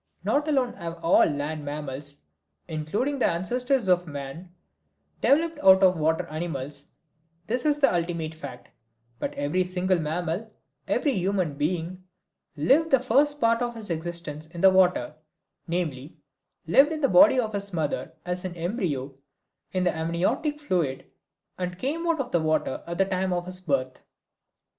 Not alone have all land mammals, including the ancestors of man, developed out of water animals this is the ultimate fact but every single mammal, every human being, lived the first part of his existence in the water namely, lived in the body of his mother as an embryo in the amniotic fluid and came out of the water at the time of his birth.